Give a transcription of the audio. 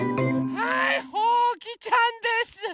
はいほうきちゃんです！